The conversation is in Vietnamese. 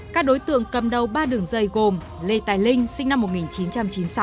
các đối tượng cầm đầu ba đường dây gồm lê tài linh sinh năm một nghìn chín trăm chín mươi sáu